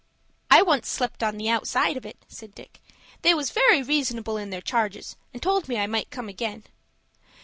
"I once slept on the outside of it," said Dick. "They was very reasonable in their charges, and told me I might come again."